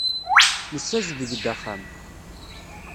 Nessazdeg-d axxam.